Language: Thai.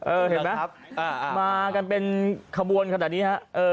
เออเห็นไหมมากันเป็นขบวนขนาดนี้ครับ